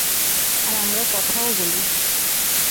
আর আমরা কথাও বলি।